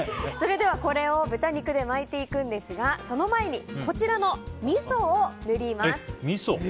それではこれを豚肉で巻いていくんですがその前にこちらのみそを塗ります。